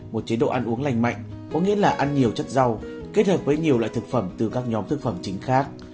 một chế độ ăn uống lành mạnh có nghĩa là ăn nhiều chất rau kết hợp với nhiều loại thực phẩm từ các nhóm thực phẩm chính khác